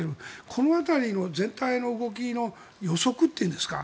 この辺りの全体の動きの予測というんですか